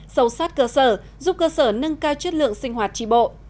sâu sát cơ sở giúp cơ sở nâng cao chất lượng sinh hoạt tri bộ